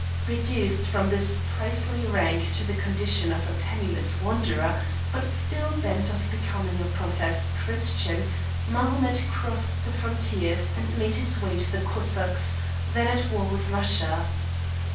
Reduced from his princely rank to the condition of a penniless wanderer, but still bent on becoming a professed Christian, Mahomet crossed the frontiers and made his way to the Cossacks, then at war with Russia.